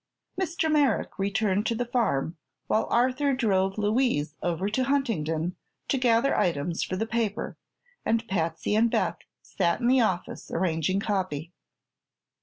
Mr. Merrick returned to the farm, while Arthur drove Louise over to Huntingdon to gather items for the paper, and Patsy and Beth sat in the office arranging copy.